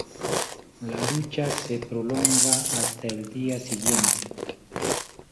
La lucha se prolongó hasta el día siguiente.